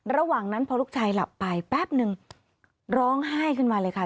ระหว่างนั้นพอลูกชายหลับไปแป๊บนึงร้องไห้ขึ้นมาเลยค่ะ